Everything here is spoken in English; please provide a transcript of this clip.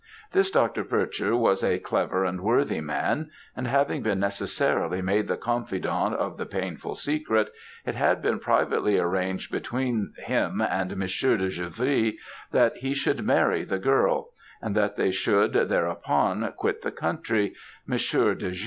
This Dr. Pecher was a clever and worthy man; and having been necessarily made the confidant of the painful secret, it had been privately arranged between him and Monsieur de Givry, that he should marry the girl; and that they should, thereupon, quit the country, Monsieur de G.